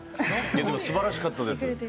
すばらしかったです。